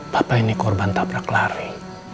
papa ini korban tak berak lari